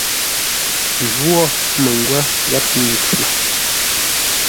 Jwó məngwə́ gháp nyi-cuu.